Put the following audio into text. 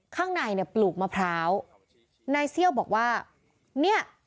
ข้างในเนี่ยปลูกมะพร้าวนายเซี่ยวบอกว่าเนี่ย